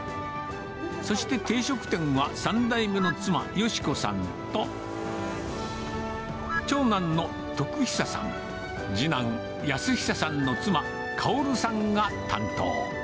そして定食店は３代目の妻、佳子さんと、長男の徳久さん、次男、安久さんの妻、薫さんが担当。